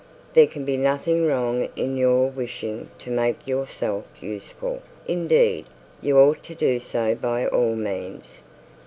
'There can be nothing wrong in your wishing to make yourself useful; indeed, you ought to do so by all means.